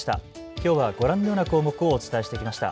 きょうはご覧のな項目をお伝えしてきました。